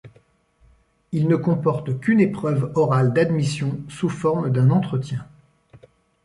Il ne comporte qu'une épreuve orale d'admission sous forme d'un entretien.